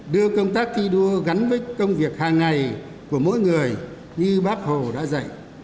đưa công tác thi đua gắn với công việc hàng ngày của mỗi người như bác hồ đã dạy